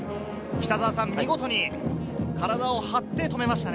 見事に体を張って止めましたね。